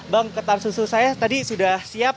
bang ketan susu saya tadi sudah siap